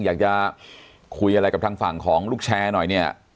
อยากจะคุยอะไรกับทางฝั่งของลูกแชร์หน่อยเนี่ย